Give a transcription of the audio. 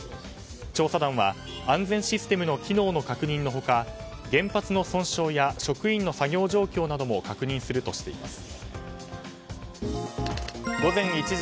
調査団は安全システムの機能の確認の他原発の損傷や職員の作業状況なども確認するとしています。